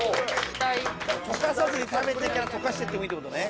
溶かさずに食べてから溶かしてってもいいってことね。